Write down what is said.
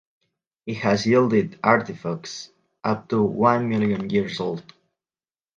It has yielded artifacts up to one million years old.